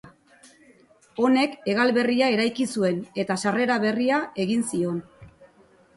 Honek hegal berria eraiki zuen eta sarrera berria egin zion.